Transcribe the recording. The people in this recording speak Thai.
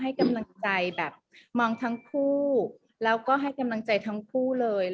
ให้กำลังใจแบบมองทั้งคู่แล้วก็ให้กำลังใจทั้งคู่เลย